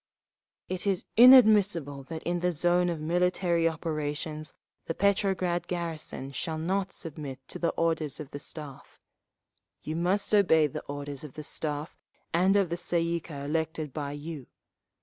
"It is inadmissible that in the zone of military operations the Petrograd garrison shall not submit to the orders of the Staff…. You must obey the orders of the Staff and of the Tsay ee kah elected by you.